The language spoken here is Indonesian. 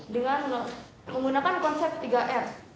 dengan menggunakan konsep tiga r